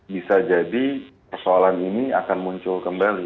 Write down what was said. bisa jadi persoalan ini akan muncul kembali